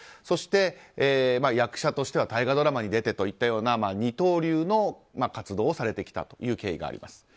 そして、役者としては大河ドラマに出てという二刀流の活動をされてきたという経緯があります。